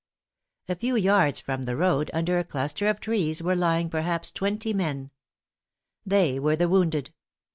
A few yards from the road, under a cluster of trees were lying perhaps twenty men. They were the wounded.